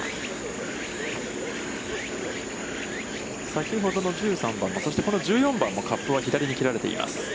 先ほどの１３番も、そしてこの１４番も、カップは左に切られています。